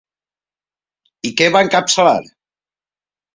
I què va encapçalar?